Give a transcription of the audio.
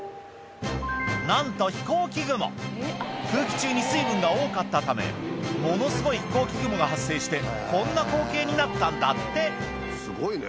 何と空気中に水分が多かったためものすごい飛行機雲が発生してこんな光景になったんだってすごいね。